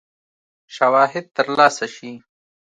شواهد تر لاسه شي.